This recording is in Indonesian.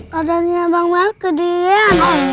badannya bang mel ke dian